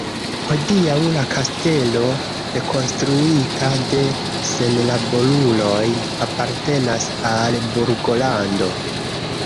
Hodiaŭ la kastelo, rekonstruita de senlaboruloj, apartenas al Burgolando.